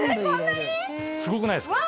すごくないですか？